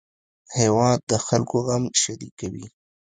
هېواد د خلکو غم شریکوي